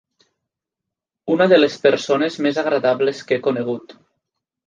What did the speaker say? Una de les persones més agradables que he conegut.